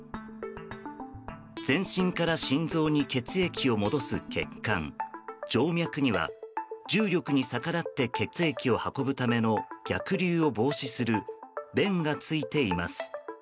全身から心臓に血液を戻す血管静脈には重力に逆らって血液を運ぶための逆流を防止する弁が付いています。